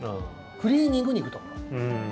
クリーニングに行くところ。